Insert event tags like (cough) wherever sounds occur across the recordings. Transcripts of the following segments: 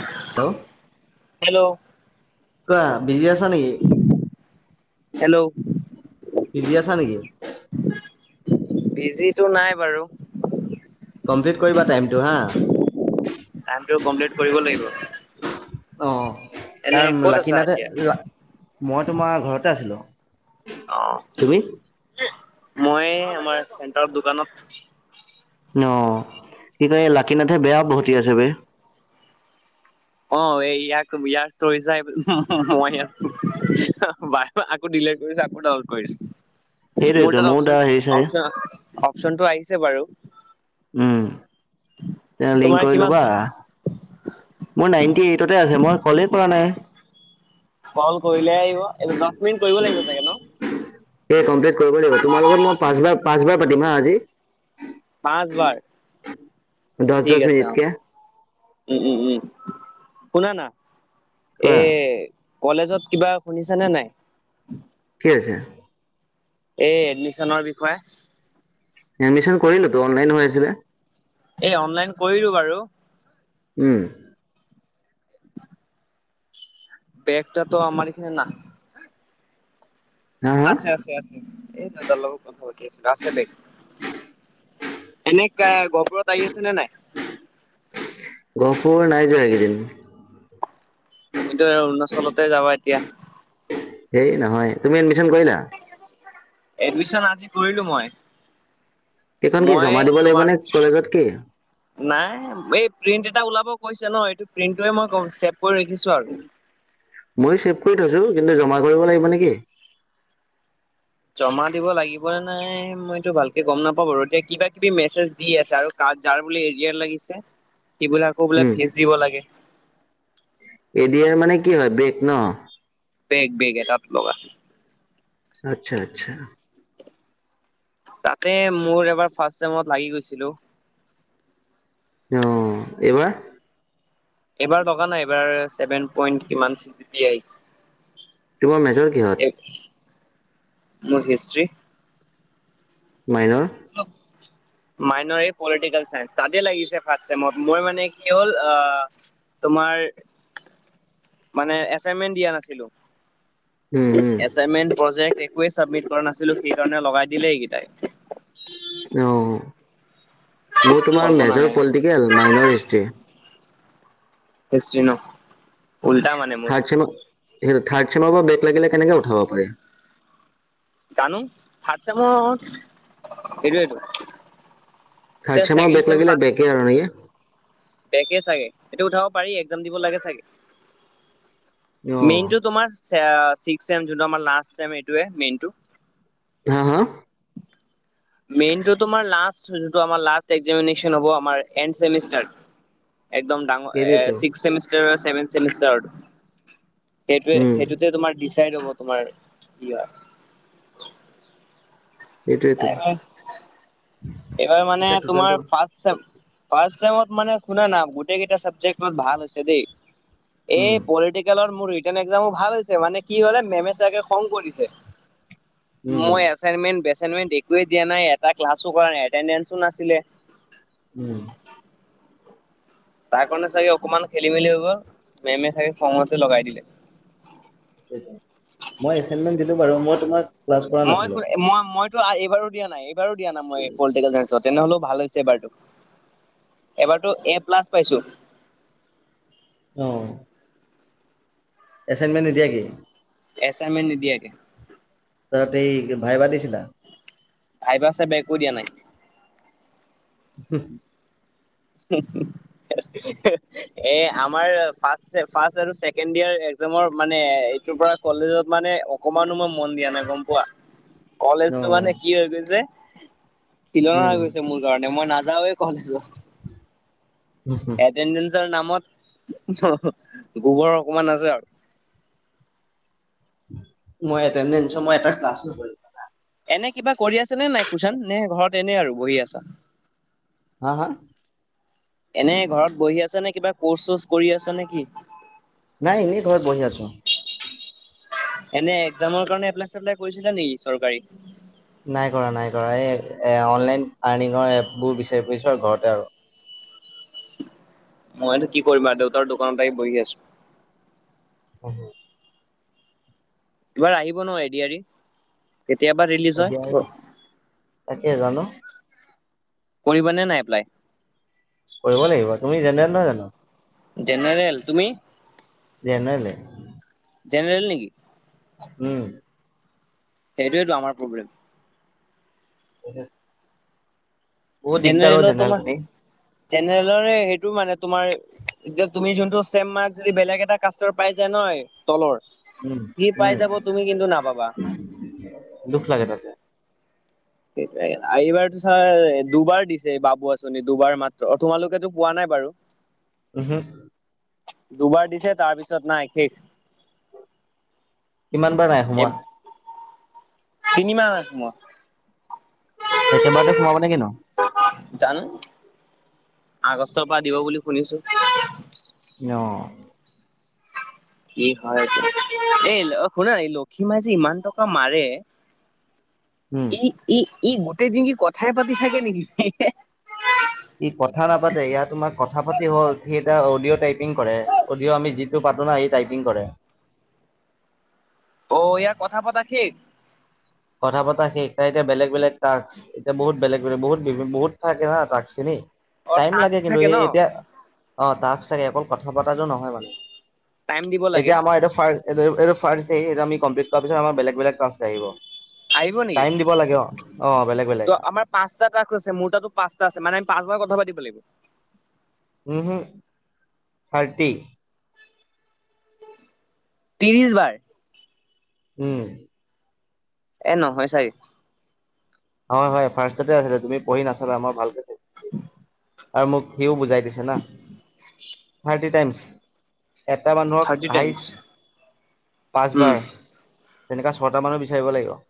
(inaudible) Hello. Hello. কোৱা busy আছা নেকি? হেল্ল' বিজি আছা নেকি? বিজিটো নাই বাৰু। কমপ্লিট কৰিবা টাইমটো হা। টাইমটো কমপ্লিট কৰিব লাগিব। অ', এনে কাৰণ ক'ত আছা লাকিনাতে এতিয়া? মই তোমাৰ ঘৰতে আছিলো। তুমি অ, মই আমাৰ চেণ্টাৰৰ দোকানত। অ', কি কয় এ লাকি নাথে বেয়া পহতি আছে বে। অ' এই ইয়াক ইয়াৰ ষ্টোৰী চাই মই আকৌ দিলেট কৰিছো আকৌ ডাউনলোড কৰিছো, সেইটোৱেতো মোৰ তাত ময়ো অপশন তাৰ হেৰি চাই অপ অপশনটো আহিছে বাৰু। উম। তেনে লিংক তোমাৰ কৰি কিমান ল'বা। হ'ল? মোৰ নাইনটি এইটতে আছে মই কলেই কৰা নাই। কল কৰিলে আহিব এইটো দচ মিনিট কৰিব লাগিব চাগে ন? এই কমপ্লিট কৰিব লাগিব তোমাৰ লগত মই পাঁচবাৰ পাঁচবাৰ পাতিম হা আজি। পাঁচবাৰ, দহ দহ ঠিক আছে অ। মিনিটকে উম উম উম, শুনা না এ কোৱা কলেজত কিবা শুনিছা নে নাই? কি হৈছে? এই এডমিচনৰ বিষয়ে। এডমিচন কৰিলেতো অনলাইন হৈ আছিলে। এই অনলাইন কৰিলো বাৰু। উম। বেগ তাতো আমাৰ ইখানে না হা হা আছে আছে আছে, এই দাদাৰ লগত কথা পাতি আছিলো আছে বেগ। এনে গহপুৰ আহি আছে নে নাই। গহপুৰ নাই যোৱা এইকেইদিন। তুমিতো অৰুণাচলতে যাবা এতিয়া। হে নহয়, তুমি এডমিশ্যন কৰিলা। এডমিচন আজি কৰিলো মই। এইখন কি মই জমা দিব লাগিব তোমাৰ নে কলেজত কি? নাই এই প্ৰিণ্ট এটা ওলাব কৈছে ন এইটো প্ৰিণ্টোৱে মই ছেভ কৰি ৰাখিছো আৰু। মইয়ো চেভ কৰি থৈছো। কিন্তু জমা কৰিব লাগিব নেকি? জমা দিব লাগিবনে নাই মইতো ভালকে গম নাপাওঁ বাৰু এতিয়া কিবা কিবি মেছেজ দি আছে আৰু যাৰ বোলে এৰিয়াৰ লাগিছে সি বোলে আকৌ বোলে উম ফিজ দিব লাগে। এৰিয়াৰ মানে কি হয় ব্ৰেক ন? বেগ বেগ এটাত লগা। আচ্ছা আচ্ছা। তাকে মোৰ এবাৰ ফাৰ্ষ্ট ছেমত লাগি গৈছিলোঁ। অ এইবাৰ- এইবাৰ লগা নাই এইবাৰ ছেভেন পইণ্ট কিমান চিক্স বি আহিছে। তোমাৰ মেজৰ কিহত? মোৰ হিষ্টৰি। মাইনৰ- (unintelligible) মাইনৰ এ পলিটিকেল চাইন্স তাতে লাগিছে ফাৰ্ষ্ট ছেমত মোৰ মানে কি হ'ল আ তোমাৰ- মানে এচাইনমেন্ট দিয়া নাছিলো। উম উম। এচাইনমেণ্ট প্ৰজেক্ট একোৱে চাবমিট কৰা নাছিলো সেইকাৰণে লগাই দিলেই এইকেইটাই। অ', মোৰ তোমাৰ কল্পনা মেজৰ নাই। Political minor history. হিষ্ট্ৰী ন? উল্টা মানে মোৰ থাৰ্ড চেম থাৰ্ড চেমৰ পৰা বেগ লাগিলে কেনেকে উঠাব পাৰে। জানো ফাৰ্ষ্ট ছেম মোৰ এৰিয়াৰটো থাৰ্ড এতিয়া চেমৰ ছেকেণ্ড বেক চেম লাগিলে ফাৰ্ষ্ট- বেকে আৰু নেকি বেকে চাগে সেটো উঠাব পাৰি এক্সাম দিব লাগে চাগে। অ মেইনটো তোমাৰ অ চিক্স ছেম যোনটো আমাৰ লাষ্ট ছেম এইটোৱে মেইনটো। হা হা মেইনটো তোমাৰ লাষ্ট যোনটো আমাৰ লাষ্ট এক্সামিনেচন হব আমাৰ এনদ চেমিষ্টাৰ। একদম ডাঙৰ এ সেইটোৱেতো চিক্স ছেমিষ্টাৰ ছেভেন ছেমিষ্টাৰত। সেইটোৱে, উম সেইটোতে তোমাৰ ডিচাইড হ'ব তোমাৰ ইয়াহ - এইটোৱেতো- হয়। এইবাৰ মানে তোমাৰ টোটেলটো ফাৰ্ষ্ট - ছেম ফাৰ্ষ্ট ছেমত মানে শুনা না গোটেইকেইটা চাবজেক্ট ভাল হৈছে দেই। এই উম পলিটিকেলৰ মোৰ- ছেকেণ্ড এক্সামো ভাল হৈছে মানে কি হলে মেমে চাগে খং কৰিছে, উম মই- এচাইনমেণ্ট বেচাইনমেণ্ট একোৱে দিয়া নাই এটা ক্লাছো কৰা নাই এটেডেনচও নাছিলে। উম। তাৰ কাৰণে চাগে অকমান খেলি মেলি হৈ গল মেমে ছাগে খঙতে লগাই দিলে। মই এচাইনমেন্ট দিলো বাৰু মই তোমাক- ক্লাছ কৰা মই নাছিলো মই মইতো এইবাৰো দিয়া নাই এইবাৰো দিয়া নাই মই পলিটিকেল চাইন্সত। তেনেহ'লেও ভাল হৈছে এবাৰটো এবাৰতো এ প্লাছ পাইছো। অ', এছাইনমেণ্ট নিদিয়াকে, এছাইনমেণ্ট নিদিয়াকে। তাতে এই ভাইবা দিছিলা? ভাইবা চাইবা একো দিয়া নাই। (unintelligible) উ হু হে হে এ আমাৰ ফাৰ্ষ্ট ছেম ফাৰ্ষ্ট আৰু ছেকেণ্ড ইয়াৰ এক্সামৰ মানে এইটোৰ পৰা- কলেজত মানে অকমানো মই মন দিয়া নাই গম পোৱা। অ কলেজটো মানে কি হৈ গৈছে খিলনা উম হৈ গৈছে মোৰ কাৰণে মই নাযাওৱে- কলেজত উমহু- এটেডেঞ্চৰ নামত গোবৰ অকমান আছে আৰু। মই এটেডেঞ্চ মই এটা ক্লাছো কৰি- এনে কিবা কৰি আছা নে নাই কোচান নে ঘৰত এনেই আৰু বহি আছা। হা হা এনে ঘৰত বহি আছা নে কিবা কৰ্চ চৰ্চ কৰি আছে নেকি? নাই ইনেই ঘৰত বহি আছোঁ। এনে একজামৰ কাৰণে এপ্লাই চেপ্লাই কৰিছিলা নেকি চৰকাৰী? নাই কৰা নাই কৰা এই এ অনলাইন আৰ্নিঙৰ এপ বোৰ বিচাৰি ফুৰিছো আৰু ঘৰতে আৰু। মইতো কি কৰিম আৰু দেউতাৰ দোকানতে আহি বহি আছোঁ। অ (unintelligible) এইবাৰ আহিব ন এডিআৰি কেতিয়াবা ৰিলিজ এতিয়া এই হয়? তাকে জানো? কৰিবা নে নাই এপ্লাই? কৰিব লাগিব তুমি জেনেৰেল নহয় জানো‌? জেনেৰেল, তুমি‌‌? জেনেৰেল এ জেনেৰেল নেকি? উম। সেইটয়েতো আমাৰ প্ৰব্লেম। অকে। জেনেৰেলৰ জেনেৰেল তোমাৰ, খিনি জেনেৰেলৰে সেইটো মানে তোমাৰ এতিয়া তুমি যোনটো চেম মাৰ্ক্স যদি বেলেগ এটা কাষ্টৰ পাই যায় নহয় তলৰ উম সি উম পাই যাব তুমি কিন্তু নাপাবা। দুখ লাগে তাতে। এইবাৰতো চাৰ দুবাৰ দিছে, বাবু আঁচনি দুবাৰ মাত্ৰ, তোমালোকেতো পোৱা নাই বাৰু। (unintelligible) উ'হু। দুবাৰ দিছে তাৰ পিছত নাই শেষ। কিমান বাৰ নাই সোমোৱা। তিনি মাহ নাই সোমোৱা। একেবাৰতে সোমাব নে কিনো? জানো আগষ্টৰ পৰা দিব বুলি শুনিছোঁ। অ'। কি হয় এতিয়া, এ! শুনা নাই লক্ষিমাই যে ইমান টকা মাৰে (unintelligible) উ'ম। ই, ই, ই গোটেই দিন কি কথাই পাতি থাকে নেকি? ই কথা নাপাতে, ইয়াত তোমাৰ কথা পাতি হ'ল, সি এটা অডিঅ' টাইপিং কৰে। অডিঅ' আমি কথা টো পাতো ন সি টাইপিং কৰে। অ' ইয়াৰ কথা পতা শেষ। কথা পতা শেষ, তাৰ এতিয়া বেলেগ, বেলেগ টাস্ক। এতিয়া বহুত বেলেগ, বেলেগ বহুত বি বহুত থাকে না টাস্ক খিনি অ টাইম লাগে টাস্ক কিন্তু থাকে ন এই এতিয়া। টাস্ক থাকে অকল কথা বতাটো নহয় মানে, টাইম দিব লাগে এতিয়া আমাৰ এইটো ফাষ্ট এই এইটোৰ এই ফাষ্ট সেইটো কমম্পিট কৰাৰ পিছত আৰ বেলেগ বেগ কাছটা আহিব। আহিব নেকি টাইম দিব লাগে অ অ বেলেগ বেলেগ ত আমাৰ। পাঁচটা তাত গৈছে, মোৰ তাতো পাঁচটা আছে মানে পাঁচ বাৰ কথা পাতিব লাগিব। উ'হু, থাৰ্টি। ত্ৰিশ বাৰ। উ'ম। এ! নহয় ছাগে। হয়, হয় ফাৰ্ষ্টতে আছিল তুমি পঢ়ি নাচালা, মই ভালকে চাইছো। আৰু মোক সিও বুজাই দিছে না, থাৰ্টি টাইমছ। এটা মানুহক থাৰ্টি হাইছ টাইমছ উম পাঁচবাৰ। তেনেকা ছটা মানুহ বিচাৰিব লাগিব।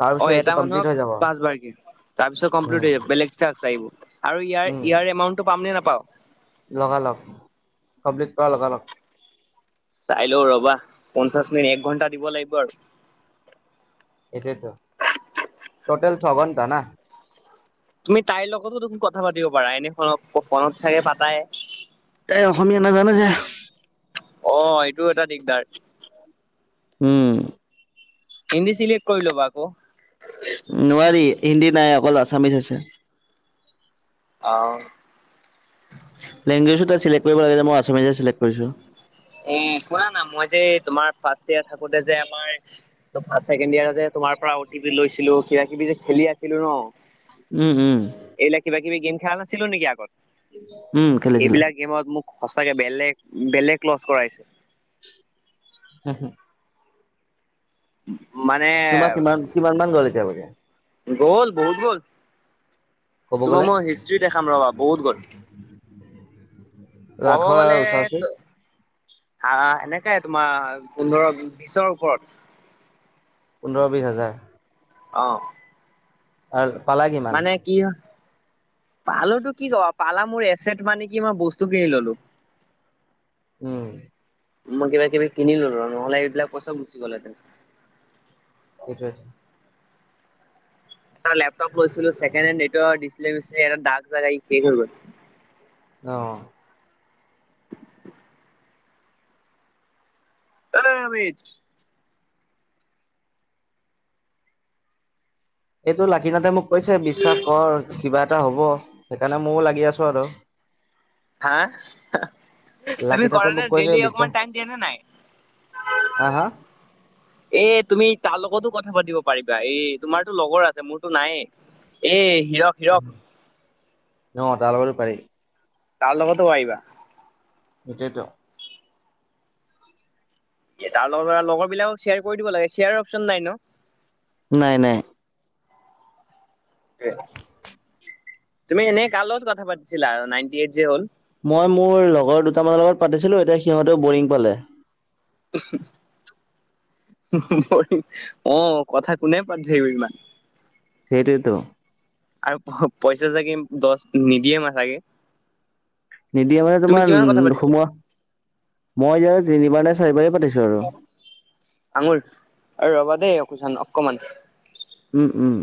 তাৰপিছত অ' এইটো এটা কমপ্লিট মানুহক হৈ যাব পাঁচ বাৰকে তাৰপিছত উম কমপ্লিট হৈ যাব বেলেগ টাক্স আহিব। আৰু ইয়াৰ, ইয়াৰ এমাউণ্টটো পাম নে নাপাওঁ। লগালক কাব্লিত পৰা লগালক। চাই লওঁ ৰবা পঞ্চাশ মিনিট, এক ঘণ্টা দিব লাগিব আৰু। এইতো এতো টটেল ছ ঘন্টা না। তুমি তাইৰ লগতো দেখোন কথা পাতিব পাৰা, এনে ফনত, ফনত ছাগে পাতাই। তাই অসমীয়া নাজানে যে। অ' এইটো এটা দিগদাৰ। উ'ম। হিন্দী চিলক্ট কৰি লবা আকৌ। নোৱাৰি হিন্দী নাই অকল আছামিছ আছে। অ'হ। লেংগোৱজ এটা চেলেক্ট কৰিব লাগে মই আচামীচ চেলেক্ট কৰিছো। এ শুনা না মই যে তোমাৰ ফাৰ্ষ্ট ইয়োৰ থাকোতে যে আমাৰ। ত ফাৰ্ষ্ট ছেকেণ্ড ইয়াৰ তোমাৰ পৰা অ টি পি লৈছিলো কিবা কিবি যে খেলি আছিলো ন। উ'ম, উ'ম। এইলা কিবা- কিবি গেম খেলা নাছিলো নেকি আগত। উম খেলিছিলা। এইবিলাক গেমত মোক সঁচাকে বেলেগ বেলেগ লছ কৰাইছে। হে, হে। মানে। তোমাৰ কিমান কিমান মান গ'ল এতিয়ালৈকে গ'ল বহুত গ'ল ক'ব তোমাক গ'লে মই হিষ্ট্ৰী দেখাম ৰবা বহুত গ'ল। ক'ব লাখৰ গ'লে ওচৰাওচৰি। আহ এনেকাই তোমাৰ পোন্ধৰ বিশৰ ওপৰত। পোন্ধৰ বিশছ হাজাৰ। অহ। আৰু পালা কিমান। কিয়? পালোতো কি ক পালা মোৰ এছেট মানে কি মই বস্তু কিনি ললো। উম। মই কিবা কিবি কিনিলো ৰ নহ'লে এইবিলাক পইচা গুচি গলে হেতেন। হৈছে। এটা লেপটপ লৈছিলো চেকণ্ড হেনে এইটোৰ ডিছপ্লে চিচপ্লে দাগ চাগ লাগি শেষ হৈ গ'ল অ' (unintelligible) আমিত। এইটো লাকিনাতে মোক কৈছে বিশ্বাস কৰ কিবা এটা হব। সেইকাৰণে ময়ো লাগি আছো আৰু। হা তুমি লাকিনাথে কৰা মোক নে কৈছে ডেইলি বিশ্বাস অকমান টাইম দিয়া নে নাই। হা হা। এ তুমি তাৰ লগতো কথা পাতিব পাৰিবা এ তোমাৰতো লগৰ আছে মোৰতো নাই। এ হিৰক অ' তাৰ লগতো পাৰি। তাৰ লগতো পাৰিবা সেইটো তাৰ লগৰা লগৰ বিলাকক শ্বেয়াৰ দিব লাগে শ্বেয়াৰ অপশচন নাই ন। নাই নাই। তুমি এনেই কাৰ লগত কথা পাতিছিলা নাইনটি এইট যে হ'ল। মই মোৰ লগৰ দুটামানৰ লগত পাতিছিলো এতিয়া সিহঁতেও বৰিং পালে। বৰিং অ 'কথা কোনে পাতি থাকিব ইমান। সেইটোৱেতো। আৰু পইচা চাগে দহ নিদিয়ে ন চাগে। নিদিয়ে মানে তুমি তোমাৰ কিমান কথা পাতিছিলা সোমোৱা মই এতিয়া তিনিবাৰ নে চাৰিবাৰেহে পাতিছো আৰু। আঙুৰ অ' ৰবা দেই অ চান অকমান উম উম।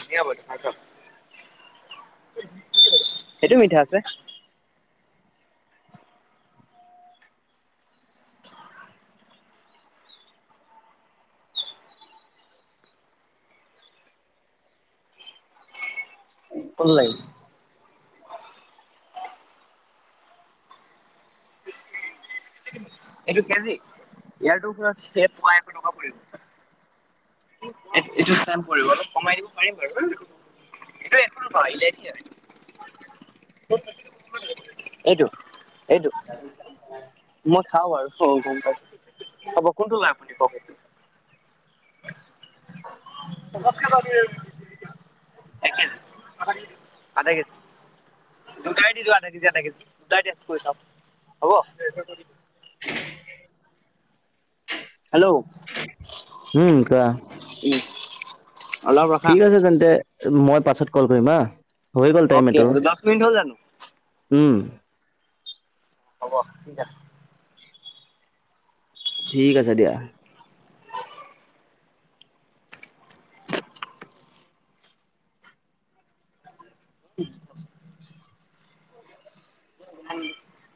ধুনিয়া বুলো খাই চাওক সেইটো মিঠা আছে। কোনটো লাগিব। এইটো কেজি ইয়াটো পোৱা এশ টকা পৰিব। এইটো ছেম পৰিব অলপ কমাই দিব পাৰিম বাৰু। এইটো একো নোপোৱা ইলাইছি হয়। এইটো এইটো মই চাওঁ বাৰু হ গম পাইছোঁ। হ'ব কোনটো লয় আপুনি কওক? এক কেজি? আধা কেজি দিব। আধা কেজি। দুটাই দিলো আধা কেজি আধা কেজি দুটাই টেষ্ট কৰি চাওক হব? হেল্ল'! উম কোৱা। উম। ঠিক আছে তেন্তে মই পাছত কল কৰিম হা হৈ গ'ল টাইম অকে এইটোৰ। দহ মিনিট হ'ল জানো উম। হ'ব ঠিক আছে। ঠিক আছে দিয়া। (unintelligible) (unintelligible)